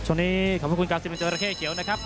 ช่วงนี้ขอบคุณครับสิบหนึ่งเจ้าระเข้เขียวนะครับ